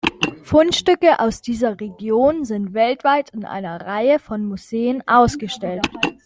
Fundstücke aus dieser Region sind weltweit in einer Reihe von Museen ausgestellt.